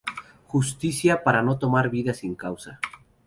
Justicia para no tomar vidas sin causa.